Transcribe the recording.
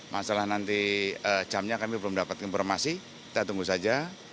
masalah nanti jamnya kami belum dapat informasi kita tunggu saja